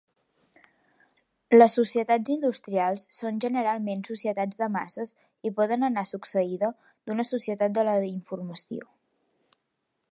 Les societats industrials són generalment societats de masses i poden anar succeïda d'una societat de la informació.